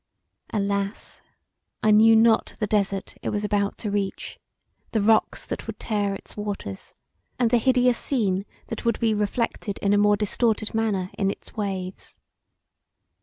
Alas! I knew not the desart it was about to reach; the rocks that would tear its waters, and the hideous scene that would be reflected in a more distorted manner in its waves.